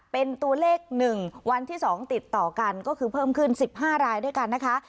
เป็นตัวเลข๑วันที่๒ติดต่อกันก็คือเพิ่มขึ้น๑๕รายด้วยกันนะคะ